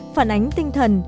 phản ánh tinh thần